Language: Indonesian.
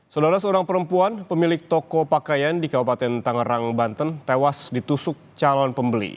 saudara seorang perempuan pemilik toko pakaian di kabupaten tangerang banten tewas ditusuk calon pembeli